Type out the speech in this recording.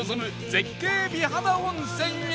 絶景美肌温泉へ！